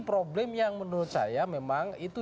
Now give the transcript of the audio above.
problem yang menurut saya memang itu